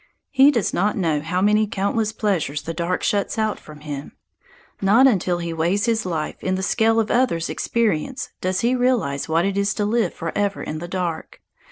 He does not know how many countless pleasures the dark shuts out from him. Not until he weighs his life in the scale of others' experience does he realize what it is to live forever in the dark.